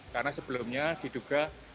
karena sebelumnya diduga